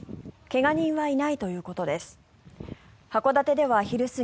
怪我人はいないということです。